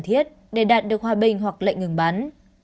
cần thiết để đạt được hòa bình hoặc lệnh ngừng bắn